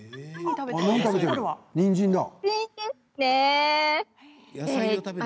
にんじんだ。